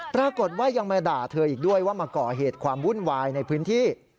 ปรากฏว่ายังมาด่าเธออีกด้วยว่ามาก่อเหตุความวุ่นวายในพื้นที่